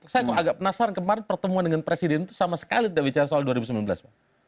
saya kok agak penasaran kemarin pertemuan dengan presiden itu sama sekali tidak bicara soal dua ribu sembilan belas pak